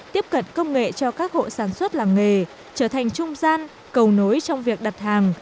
tiếp cận công nghệ cho các hộ sản xuất làm nghề trở thành trung gian cầu nối trong việc đặt hàng